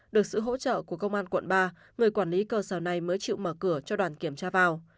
được sự hỗ trợ của công an quận ba người quản lý cơ sở này mới chịu mở cửa cho đoàn kiểm tra vào